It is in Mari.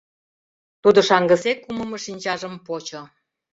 Тудо шаҥгысек кумымо шинчажым почо.